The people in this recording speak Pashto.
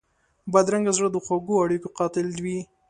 بدرنګه زړه د خوږو اړیکو قاتل وي